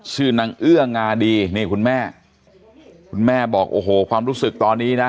ชื่อนางเอื้องาดีนี่คุณแม่คุณแม่บอกโอ้โหความรู้สึกตอนนี้นะ